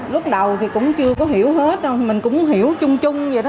lúc đầu thì cũng chưa có hiểu hết rồi mình cũng hiểu chung chung vậy đó